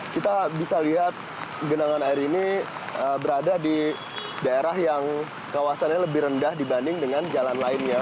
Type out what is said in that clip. kita bisa lihat genangan air ini berada di daerah yang kawasannya lebih rendah dibanding dengan jalan lainnya